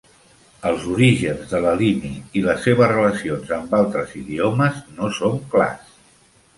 Els orígens de l'elimi i les seves relacions amb altres idiomes no són clars.